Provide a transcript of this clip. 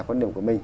quan điểm của mình